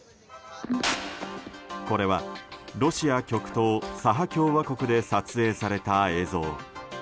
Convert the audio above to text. これはロシア極東サハ共和国で撮影された映像。